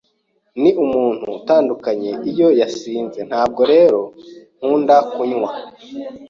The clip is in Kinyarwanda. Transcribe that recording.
Ni umuntu utandukanye iyo yasinze, ntabwo rero nkunda kunywa.